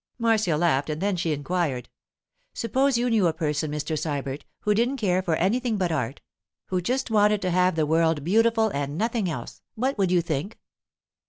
Marcia laughed, and then she inquired— 'Suppose you knew a person, Mr. Sybert, who didn't care for anything but art—who just wanted to have the world beautiful and nothing else, what would you think?